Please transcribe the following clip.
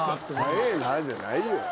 早えぇなじゃないよ。